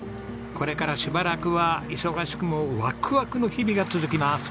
これからしばらくは忙しくもワクワクの日々が続きます。